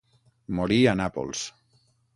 Morí a Nàpols.